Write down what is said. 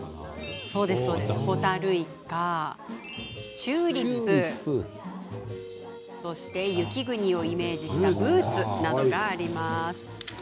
ホタルイカチューリップ雪国をイメージしたブーツなどがあります。